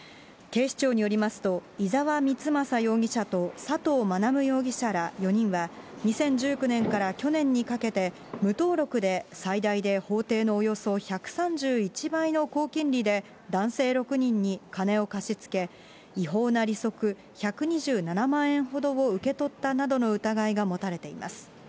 警視庁によりますと、いざわみつまさ容疑者と佐藤学容疑者ら４人は、２０１９年から去年にかけて、無登録で最大で法定のおよそ１３１倍の高金利で、男性６人に金を貸し付け、違法な利息１２７万円ほどを受け取ったなどの疑いが持たれています。